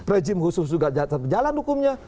rejim khusus juga jalan hukumnya